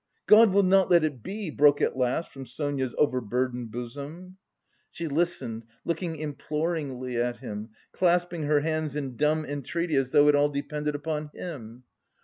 God will not let it be!" broke at last from Sonia's overburdened bosom. She listened, looking imploringly at him, clasping her hands in dumb entreaty, as though it all depended upon him.